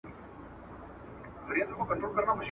او مېر من یې وه له رنګه ډېره ښکلې !.